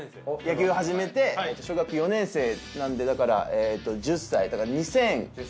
野球始めて小学４年生なのでだから１０歳だから。